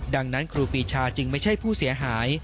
ดังนั้นครูปีชาจึงไม่ใช่ผู้เสียหาย